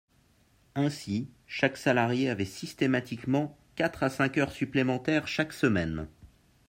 Ainsi, chaque salarié avait systématiquement quatre à cinq heures supplémentaires chaque semaine.